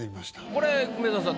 これ梅沢さん